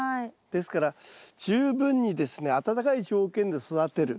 ですから十分にですね暖かい条件で育てる。